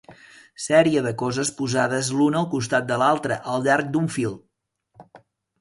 Sèrie de coses posades l'una al costat de l'altra al llarg d'un fil.